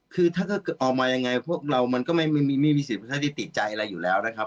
คือถ้าออกมายังไงพวกเรามันก็ไม่มีศิลป์อันทรายธรรมที่ติดใจอะไรอยู่แล้วนะครับ